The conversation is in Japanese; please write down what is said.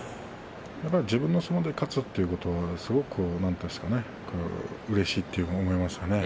自分の相撲で勝つというのは、なんというかすごくうれしいと思いますよね。